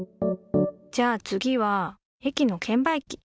じゃあ次は駅の券売機。